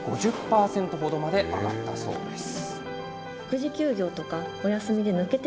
５０％ほどまで上がったそうです。